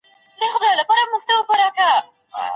د خلګو ونډه په پرمختګ کي څومره ده؟